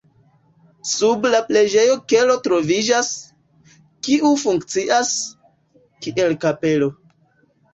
Sub la preĝejo kelo troviĝas, kiu funkcias, kiel kapelo.